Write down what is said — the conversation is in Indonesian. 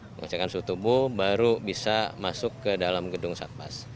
pengecekan suhu tubuh baru bisa masuk ke dalam gedung satpas